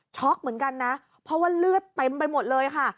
เหมือนกันนะเพราะว่าเลือดเต็มไปหมดเลยค่ะ